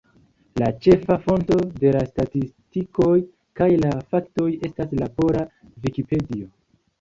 La ĉefa fonto de la statistikoj kaj la faktoj estas la pola Vikipedio.